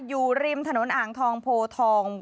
อยู่ริมถนนอ่างทองโพทอง